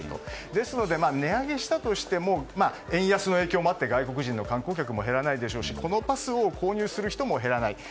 ですので値上げしたとしても円安の影響もあって外国人の観光客も減らないでしょうしこのパスを購入する人も減らない。